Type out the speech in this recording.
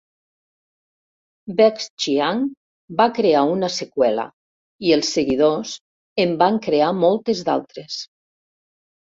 Vex Xiang va crear una seqüela i els seguidors en van crear moltes d'altres.